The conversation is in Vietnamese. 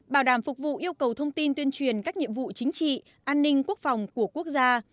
bảo đảm phục vụ yêu cầu thông tin tuyên truyền các nhiệm vụ chính trị an ninh quốc phòng của quốc gia